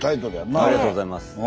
ありがとうございます。